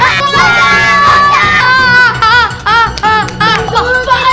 kau tak akan kuantifikasi